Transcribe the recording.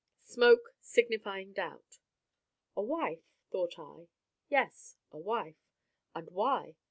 SMOKE SIGNIFYING DOUBT A wife? thought I. Yes, a wife. And why?